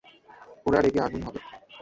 ওরা রেগে আগুন হবে।